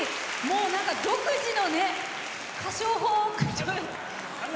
独自の歌唱法。